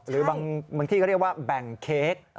หรือบางที่ก็เรียกว่าแบ่งเค้ก